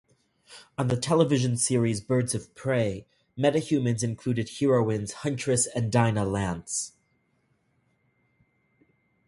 On the television series "Birds of Prey", metahumans included heroines Huntress and Dinah Lance.